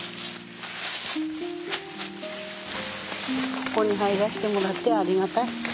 ここに入らせてもらってありがたい。